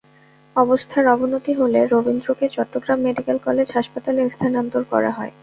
অবস্থার অবনতি হলে রবীন্দ্রকে চট্টগ্রাম মেডিকেল কলেজ হাসপাতালে স্থানান্তর করা হয়।